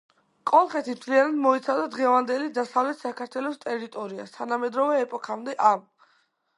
კოლხეთი მთლიანად მოიცავდა დღევანდელი დასავლეთ საქართველოს ტერიტორიას. თანამედროვე ეპოქამდე ამ